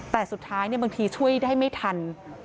แต่สุดท้ายบางทีช่วยได้ไม่ทัน